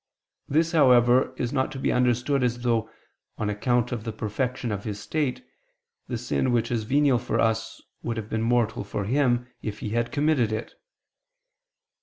This, however, is not to be understood as though on account of the perfection of his state, the sin which is venial for us would have been mortal for him, if he had committed it.